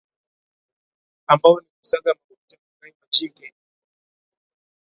ambao ni Kusaga Makunja Magai Majinge